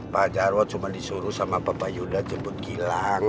pak jarwo cuma disuruh sama bapak yuda jemput kilang